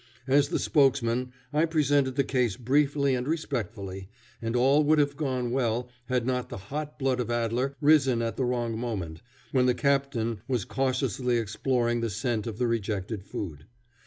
As the spokesman, I presented the case briefly and respectfully, and all would have gone well had not the hot blood of Adler risen at the wrong moment, when the captain was cautiously exploring the scent of the rejected food.